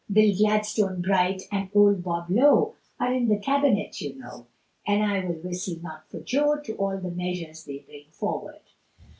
Bill Gladstone, Bright, and old Bob Lowe, Are in the Cabinet you know, And I will whistle not for Joe, To all the measures they bring forward.